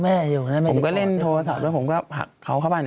แม่อยู่แม่ไม่ได้ติดต่อผมก็เล่นโทรศัพท์แล้วผมก็ผลักเขาเข้าบ้าน